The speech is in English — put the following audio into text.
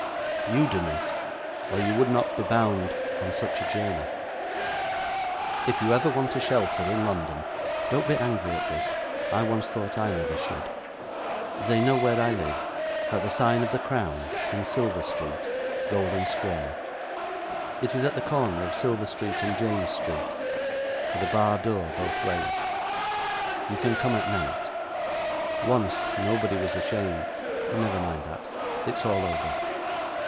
You do not, or you would not be bound on such a journey. If ever you want a shelter in London (don't be angry at this, I once thought I never should), they know where I live, at the sign of the Crown, in Silver Street, Golden Square. It is at the corner of Silver Street and James Street, with a bar door both ways. You can come at night. Once, nobody was ashamed never mind that. It's all over.